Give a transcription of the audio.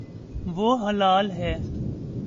وہ ہلال ہے